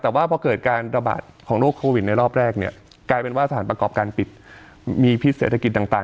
แต่ว่าพอเกิดการระบาดของโรคโควิดในรอบแรกเนี่ยกลายเป็นว่าสถานประกอบการปิดมีพิษเศรษฐกิจต่าง